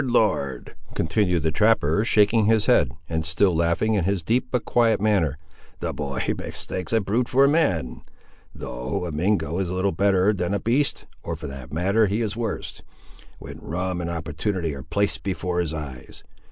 Lord!" continued the trapper, shaking his head, and still laughing, in his deep but quiet manner; "the boy mistakes a brute for a man! Though, a Mingo is little better than a beast; or, for that matter, he is worse, when rum and opportunity are placed before his eyes.